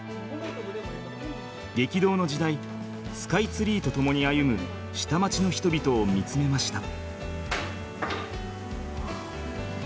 激動の時代スカイツリーと共に歩む下町の人々を見つめました。